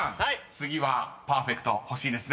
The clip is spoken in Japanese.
次はパーフェクト欲しいですね］